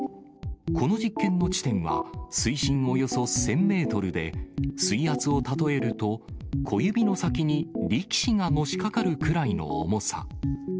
この実験の地点は、水深およそ１０００メートルで、水圧を例えると、小指の先に力士がのしかかるくらいの重さ。